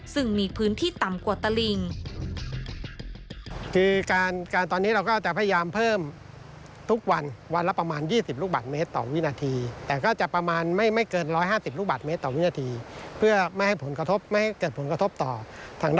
ซึ่งมีพื้นที่ต่ำกว่าตะลิง